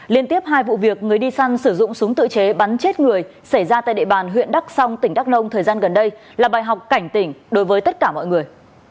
liên tiếp hai vụ việc người đi săn sử dụng súng tự chế bắn chết người xảy ra tại địa bàn huyện đắk song tỉnh đắk nông thời gian gần đây là bài học cảnh tỉnh đối với tất cả mọi người